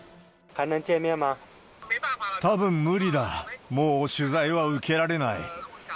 たぶん無理だ、もう取材は受けられない。